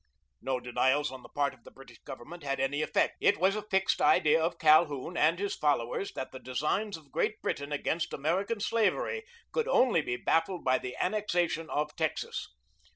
No denials on the part of the British Government had any effect; it was a fixed idea of Calhoun and his followers that the designs of Great Britain against American slavery could only be baffled by the annexation of Texas.